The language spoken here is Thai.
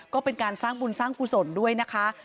ก็เป็นการสร้างบุญสร้างกุศลด้วยนะคะ